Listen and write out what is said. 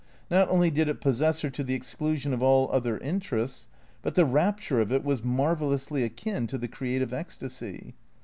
Not only did it possess her to the exclu sion of all other interests, but the rapture of it was marvellously akin to the creative ecstasy.